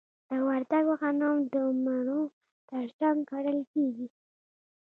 د وردګو غنم د مڼو ترڅنګ کرل کیږي.